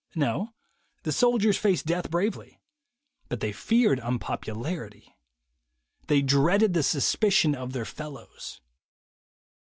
No; the soldiers faced death bravely. But they feared un popularity. They dreaded the suspicion of their fellows.